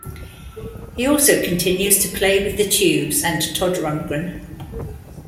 He also continues to play with The Tubes and Todd Rundgren.